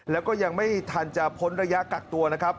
แล้วก็ยังไม่ทันจะพ้นระยะกักตัวนะครับ